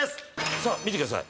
さあ、見てください。